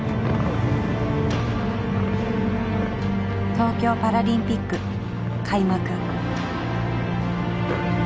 東京パラリンピック開幕。